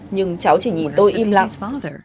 nhưng cháu chỉ nhìn tôi im lặng